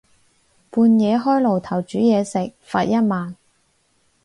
半夜開爐頭煮嘢食，罰一萬